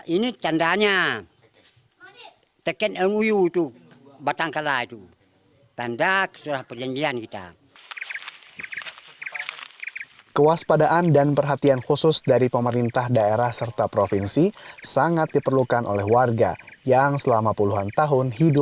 ini tandanya teken elmu itu batang kalah itu